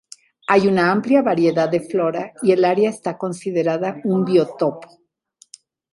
Hay una amplia variedad de flora, y el área está considerada un biotopo.